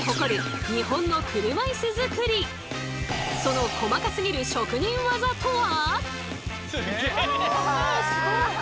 そのこまかすぎる職人技とは！？